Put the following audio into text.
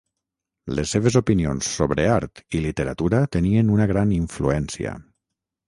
Les seves opinions sobre art i literatura tenien una gran influència.